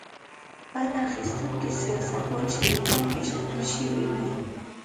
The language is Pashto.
بډه اخیستونکي سیاستوال شریکان پېژندل شوي وای.